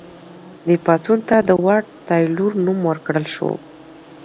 دې پاڅون ته د واټ تایلور نوم ورکړل شو.